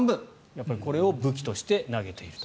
やっぱりこれを武器として投げていると。